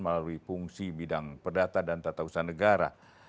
melalui fungsi bidang perdata dan tata usaha negara